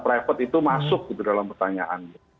private itu masuk gitu dalam pertanyaan